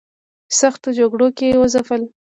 سختو جګړو کې وځپل.